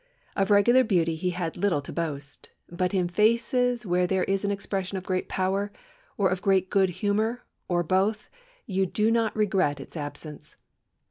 Of regular beauty he had little to boast; but in faces where there is an expression of great power, or of great good humour, or both, you do not regret its absence.